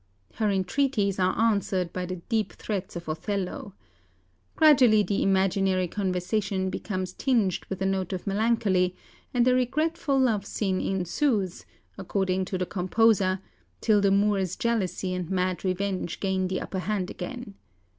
"Her entreaties are answered by the deep threats of Othello. Gradually the imaginary conversation becomes tinged with a note of melancholy, and a regretful love scene ensues, according to the composer, till the Moor's jealousy and mad revenge gain the upper hand again.